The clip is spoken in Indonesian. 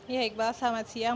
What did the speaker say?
ya iqbal selamat siang